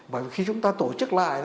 bởi vì khi chúng ta tổ chức lại